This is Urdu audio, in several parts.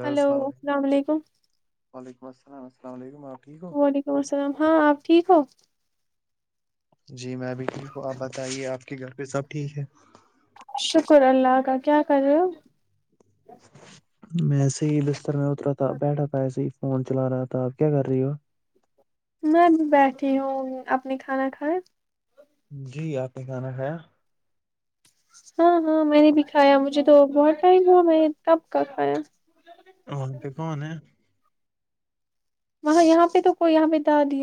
ہلو السلام علیکم وسلام السلام علیکم آپ ٹھیک ہو وعلیکم السلام ہاں آپ ٹھیک ہو جی میں بھی ٹھیک ہوں آپ بتائیے آپ کے گھر پہ سب ٹھیک ہے شکر اللہ کا کیا کر رہے ہو؟ میں س لستر میں اترا تھا بیٹھا پایا س فون چلا رہا تھا آپ کیا کر رہی ہو میں بیٹھی ہوں اپنی کھانا کھائے جی آپ نے کھانا کھایا ہاں ہاں میں نے بھی کھایا مجھے تو بہت ٹائم ہوا میں کب کا کھایا وہاں پہ کون ہے وہاں یہاں پہ تو کوئی یہاں پہ تو آ دے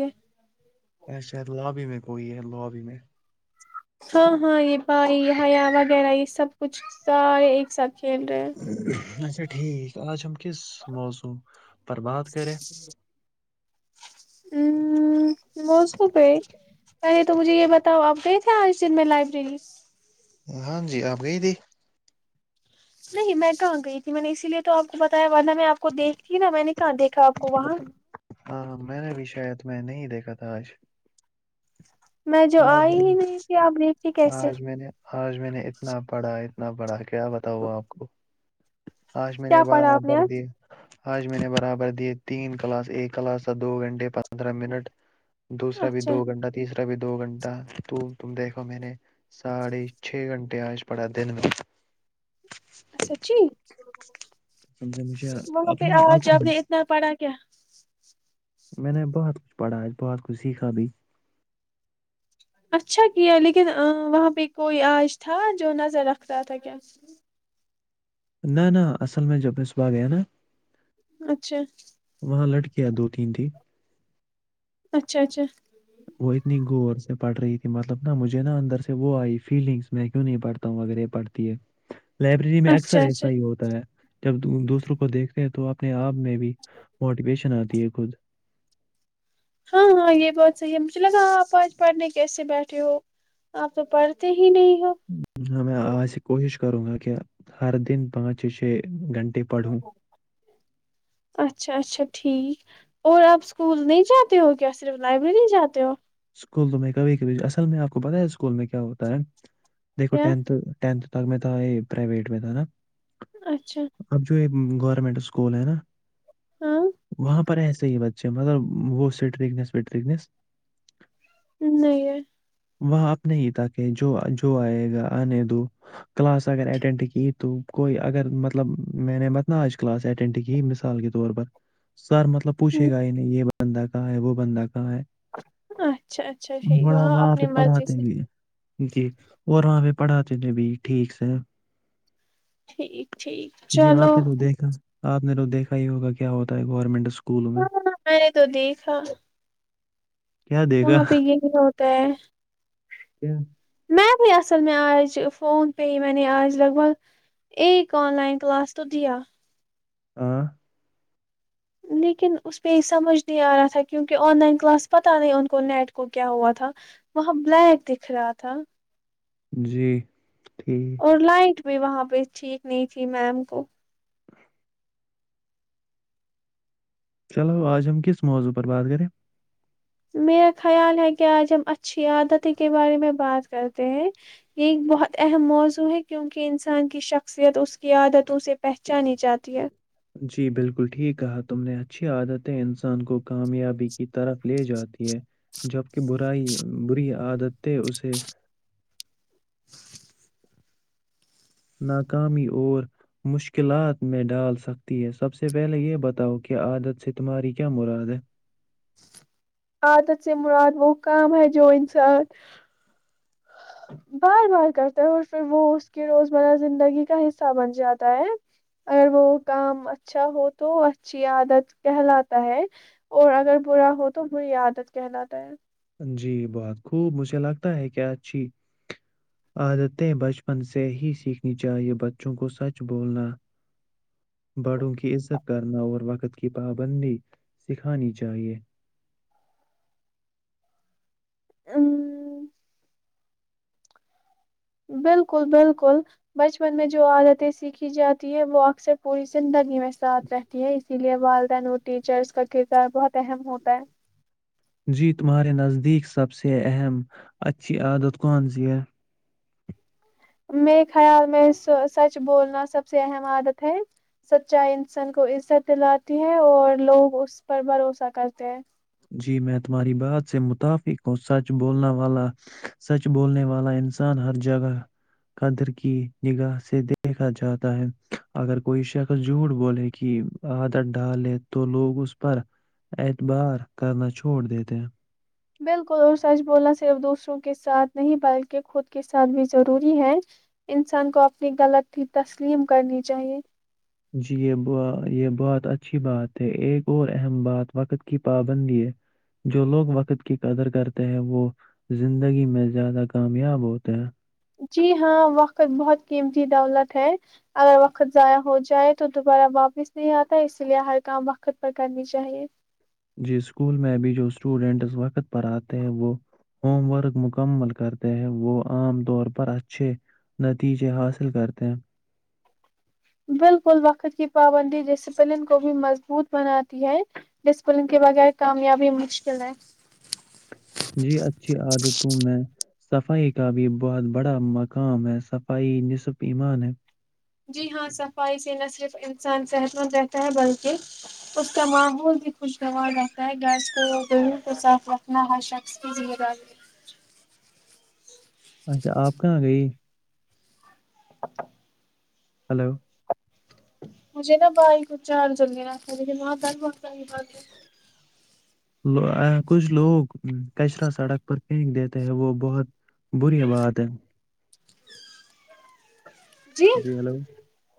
اچشا لابی میں کوئی ہے لابی میں ہاں ہاں یہ پائی ہیا وغیرہ اس سب کچھ سارے ایک ساتھ کھیل رہے ہیں اچھا ٹھیک آج چ ہم کس موضع پر باد کرے ہ مو پ ہے پہلے تو مجھے یہ بتاؤ آپ گئے تھے آج اس دن میں لائبریری ہاں جی آپ گئی ت نہیں میں کہاں گئی تھی میں نے اسی لیے تو آپ کو بتایا والدہ میں آپ کو دیکھتیھی نا میں نے کہاں دیکھا آپ کو وہاں ہاں میں نے بھی شاید میں نہیں دیکھا تھا آج میں جو آج آئی میں ہی نہیں تھی آپ دیکھتی کیسے نے آج میں نے اتنا پڑھا اتنا بڑا کیا بتا ہوا آپ کو آج میں کیا نے پڑھا آپ نے برابر آج دیے آج میں نے برابر دیے تین کا کلاس ایک کلاس کا دو گھنٹے پندرہ منٹ دوسا بھی اچھا دو گنٹہ تیسرا [unintelligible] دو گھنٹہ تو تم دیکھو میں نے ساڑھے چھ گھنٹے آج پڑا دن میں سچی سمجھا مجھے وہاں پہ اپنا آج آنکھوں آپ میں نے اتنا پڑھا کیا میں نے بہت کچھ پڑھاج بہت کچھ سیکھا بھی اچھا کیا لیکن وہاں پہ کوئی آج تھا جو نظر رکھتا تھا کیا نہ نہ اصل میں جبصبح گیا نا اچھا لٹ کے دو تین ت اچھا اچھا وہ اتنی غور سے پڑھ رہی تھی مطلب نا مجھے نا اندر سے وہ آئی فیلنگس میں کیوں نہیں پڑھتا ہوں اگر یہ پڑھتی ہے لائبریری میں اچھا اکثر اچھا ایسا ہی ہوتا ہے جب دوسروں کو دیکھتے ہیں تو اپنے آپ میں بھی موٹیویشن آتی ہے خود ہاں ہاں یہ بات صحیح ہے مجھے لگا آپ آج پڑھنے کیسے بیٹھے ہو آپ تو پڑھتے ہی نہیں ہو میں آج سے کوشش کروں گا کیا ہر دن پانچ چھ گھنٹے پڑھوں اچھا اچھا ٹھیک اور آپ اسکول نہیں جاتے ہو کیا صرف لائبریری نہیں جاتے ہو اسکول تو میں کبھی کبھی اصل میں آپ کو پتا ہے اسکول میں کیا ہوتا ہے دیکھو کیا ٹھ ٹھ لگ میں تھا یہ پرائیویٹ میں تھا نا اچھا گورمنٹ سکول ہے نا ہاں وہاں پر ایسے ہی بچے مطلب وہ سٹرنیس وٹرنیس نہیں ہے وہاں اپنے ہی تک ہے جو جو آئے گا آنے دو کلاس اگر اٹینڈ کی تو کوئی اگر مطلب میں نے مت ن آج کلاس اٹینڈ کی مثال کے طور پر سر مطلب پوھے گا نہیں یہ ب بندہ کہاں ہے وہ بندہ کہاں ہے اچھا اچھا ٹھیک ہے بڑا ہاں وہاں پہ اپنی مرضی پڑھاتے سے بھی جی اور وہاں پہ پڑھاتے تھ بھی ٹھیک سے ٹھیک ٹھیک جی چلو آپ نے تو دیکھا آپ نے تو دیکھا ہی ہوگا کیا ہوتا ہے گورنمنٹ اسکول میں ہاں ہاں میں نے تو دیکھا کیا دے گا وہاں پہ یہی ہوتا ہے کیا می بھی اصل میں آج فون پہ ہی میں نے آج لگ بھگ ایک آن لائن کلاس تو دیا ہ [inaudible] لیکن اس پہ سمجھ نہیں ا رہا تھا کیونکہ ان لائن کلاس پتہ نہیں ان کو نیٹ وہ کیا ہوا تھا وہاں بلیک جی ٹھیک اور لائٹ بھی وہاں پہ ٹھیک نہیں تھی میم کو چلو آج ہم کس موضوع پر بات کریں میرا خیال ہے کہ آج ہم اچھی عادتیں کے بارے میں بات کرتے ہیں یہ ایک بہت اہم موضوع ہے کیونکہ انسان کی شخصیت اس کی عادت تے پہچانی جاتی ہے جی بالکل ٹھیک کہا تم نے اچھی عادتیں انسان کو کامیابی کی طرف لے جاتی ہے جبک برائی بری عادتیں اسے ناکامی اور مشکلات میں ڈال سکتی ہے، سب سے پہلے یہ بتاؤ کہ عادت سے تمہاری کیا مراد ہے عادت سے مراد وہ کام ہے جو انسان بار بار کرتا ہے اور پھر وہ اس کی روزمرہ زندگی کا حصہ بن جاتا ہے اگر وہ کام اچھا ہو تو اچھی عادت کہلاتا ہے اور اگر برا ہو تو بری عادت کہلاتا ہے جی بہت خوب مجھے لگتا ہے کہ اچھی عادتیں بچپن سے ہی سیکھنی چاہیے بچوں کو سچ بولنا بڑوں کی عزت کرنا اور وقت کی پابندی سکھانی چاہیے ہ [inaudible] بالکل بالکل بچپن میں جو عادتیں سیکھی جاتی ہیں وہ اکثر پوری زندگی میں ساتھ رہتی ہیں اسی لیئے والدین اور ٹیچرس کا کردار بہت اہم ہوتا ہے جی تمہارے نزدیک سب سے اہم اچھی عادت کون سی ہے میرے خیال میں سچ بولنا سب سے اہم عادت ہے سچائی انسان کو عزت دلاتی ہے اور لوگ اس پر بھروسہ کرتے ہیں جی میں تمہاری بات سے متفق ہوں سچ بولنا والا سچ بولنے والا انسان ہر جگہ قدر کی نگاہ سے دیکھا جاتا ہے اگر کوئی شخص جھوٹ بولے کی عادت ڈالے تو لوگ اس پر اعتبار کرنا چھوڑ دیتے ہیں بالکل اور سچ بولنا صرف دوسروں کے ساتھ نہیں بلکہ خود کے ساتھ بھی ضروری ہے انسان کو اپنی غلط تسلیم کرنی چاہیئے جی یہ ب یہ بہت اچھی بات ہے ایک اور اہم بات وقت کی پابندی ہے جو لوگ وقت کی قدر کرتے ہیں وہ زندگی میں زیادہ کامیاب ہوتے ہیں جی ہاں وقت بہت قیمتی دولت ہے اگر وقت ضائع ہو جائے تو دوبارہ واپس نہیں آتا اس لیے ہر کام وقت پر کرنی چاہیے ج اسکول میں بھی جو اسٹوڈنٹس وقت پر آتے ہیں وہ ہوم ورک مکمل کرتے ہیں وہ عام طور پر اچھے نتیجے حاصل کرتے ہیں بالکل وقت کی پابندی ڈسپلن کو بھی مضبوط بناتی ہے ڈسپلن کے بغیر کامیابی مشکل ہے جی اچھی عادتوں میں صفائی کا بھی بہت بڑا مقام ہے صفائی نصف ایمان ہے جی ہاں صفائی سے نہ صرف انسان صحت مند رہتا ہے بلکہ اس کا ماحول بھی خوشگوار رہتا ہے گیس کو گیہوں کو صاف رکھنا ہر شخص کی ذمہ داری اچھا آپ کہاں گئی [unintelligible] ہلو مجھے نا بائک چار جلے رہتا لیکن وہاں ت م کچھ لوگ کچرا سڑک پر پھینک دیتے ہیں وہ بہت بری بات ہے جی ہیلو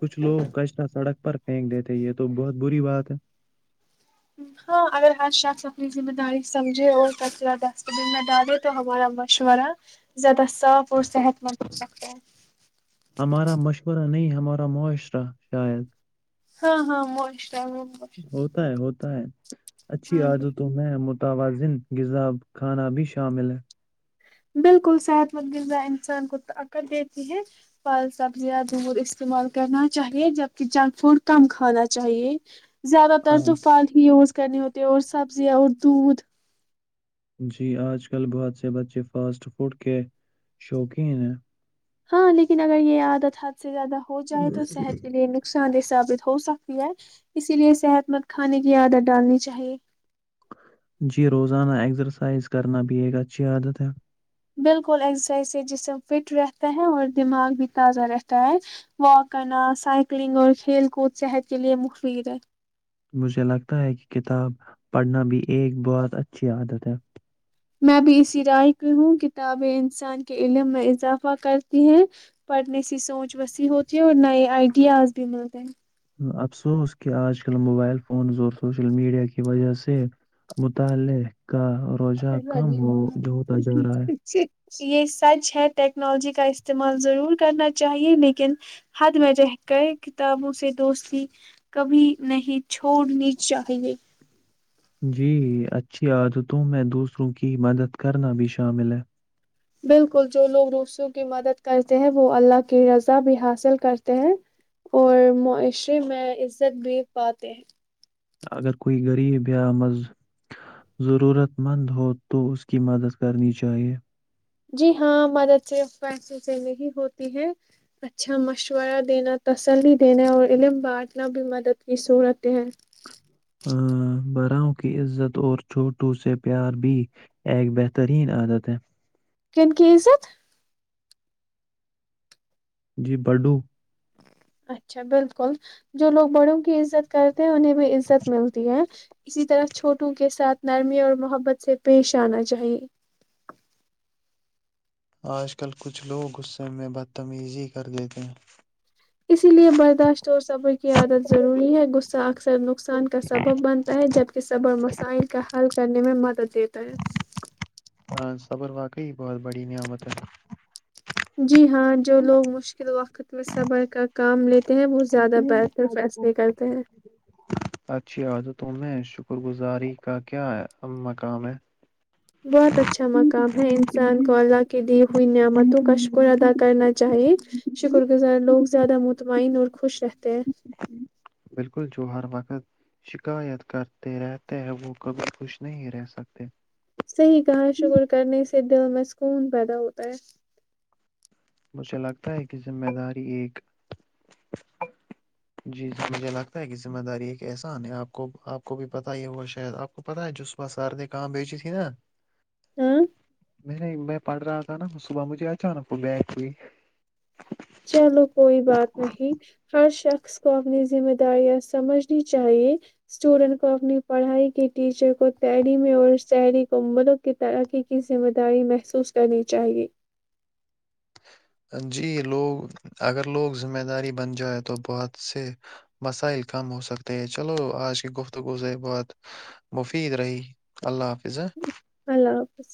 کچھ لوگ کش سڑک پر پھینک دیتے یہ تو بہت بری بات ہے ہاں اگر ہر شخص اپنی ذمہ داری سمجھے اور سب ز دستبین میں ڈالے تو ہمارا مشورہ زیادہ صاف اور صحت مند ہو سکتا ہے ہمارا مشورہ نہیں، ہمارا معاشرہ شاید ہاں ہاں مش ہوتا ہے ہوتا ہے [inaudible] ہاں جی توازن غذاب کھانا بھی شامل ہے بالکل صحت مند غذا انسان کو طاقت دیتی ہے پھل سبزیاں دور استعمال کرنا چاہیے جبکہ جنک فوڈ کم کھانا چاہیے زیادہ تر آ، تو فال ہی یوز کرنی ہوتی اور سبزیاں اور دودھ جی آج کل بہت سے بچے فاسٹ فوڈ کے شوقین ہیں ہاں لیکن اگر یہ عیاادت تھا سے زیادہ ہو جائے تو صحت کے لیے نقصان حساب ہو سکتی ہے اسی لیے صحت مند کھانے کی عادت ڈالنی چاہیے جی روزانہ ایکسرسائز کرنا بھی ایک اچھی عادت ہے بالکل ایکگزرسائز سے جسم فٹ رہتا ہے اور دماغ بھی تازہ رہتا ہے واک کرنا سائیکلنگ اور کھیل کود صحت کے لئے مخفید ہے مجھے لگتا ہے کہ کتاب پڑھنا بھی ایک بہت اچھی عادت ہے میں بھی اسی رائے کی ہوں کتابیں انسان کے علم میں اضافہ کرتی ہیں پڑھنے سے سوچ وسیع ہوتی ہے اور نئے آئیڈیاز بھی ملتے ہیں افسوس کہ آج کل موبائل فونز اور سوشل میڈیا کی وجہ سے مطالعہ کا روزہ کم ہو ہیں ہوتا جا رہا ہے یہ سچ ہے ٹیکنالوجی کا استعمال ضرور کرنا چاہیئے لیکن حد میں رہ کر کتابوں سے دوستی کبھی نہیں چھوڑنی چاہے جی اچھی عادتوں میں دوسروں کی مدد کرنا بھی شامل ہے بالکل جو لوگ دوسروں کی مدد کرتے ہیں وہ اللہ کی رضا بھی حاصل کرتے ہیں اور معاشرے میں عزت بھی پاتے ہیں اگر کوئی گریب یا ضرورت مند ہو تو اسکی مداد ضرور کرنا چائے جی ہاں مدد صرف فیص سے نہیں ہوتی ہے اچھا مشورہ دینا تسلی دینا اور علم بانٹنا بھی مدد کی صورت ہے براؤں کی عزت اور چھوٹوں سے پیار بھی ایک بہترین عادت ہے کم کی عزت جی بڈو اچھا بالکل جو لوگ بڑوں کی عزت کر انہیں میں بھی عزت ملتی ہے اسی طرح چھوٹوں کے ساتھ نرمی اور محبت سے پیش آنا چاہیے آج کل کچھ لوگ غصے میں بدتمیزی کر دیتے ہیں اسی لیے برداشت اور صبر کی عادت ضروری ہے غصہ اکثر نقصان کا سبب بنتا ہے جبکہ صبر مسائل کا حل کرنے میں مدد دیتا ہے ہاں صبر واقعی بہت بڑی نعمت ہے جی ہاں جو لوگ مشکل وقت میں صبر کا کام لیتے ہیں وہ زیادہ بہتر فیصلے کرتے ہیں تمیں شکر گزاری کا کیا مقام ہے بہت اچھا مقام ہے انسان کو اللہ کے لیے ہوئی نعمتوں کا شکر ادا کرنا چاہیے شکر گزار لوگ زیادہ مطمئن اور خوش رہتے ہیں بالکل جو ہر وقت شکایت کرتے رہتے ہیں وہ کبھی خوش نہیں رہ سکتے صحیح کہاں شکر کرنے سے دل م سکون پیدا ہوتا ہے مجھے لگتا ہے کہ ذمہ داری ایک جی جی مجھے لگتا ہے کہ ذمہ داری ایک احسان ہے آپ کو آپ کو بھی پتا ہے وہ شاید آپ کو پت ہے ج صبح سرد کہاں بیچی تھی نا ہاں میں نہیں میں پڑ رہا تھا نا صبح مجھے اچان نا بیگ جٹ چلو کوئی بات نہیں ہر سکس کو اپنی جممیداری سمجھنی چائے سٹوڈنٹ کو اپنی پڑھیی اور ٹیچر کو اپنے اور سحری کی ترککی کرنی چائے جی لوگ اگر لوگ ذمہ داری بن جائے تو بہت سے مسائل کم ہو سکتے ہیں چلو آج کی گفتگوز بہت مفید رہی اللہ حافظ اللہ حافظ